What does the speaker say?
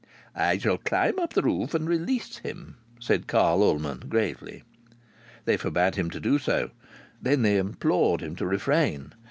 "I shall climb up the roof and release him," said Carl Ullman, gravely. They forbade him to do so. Then they implored him to refrain.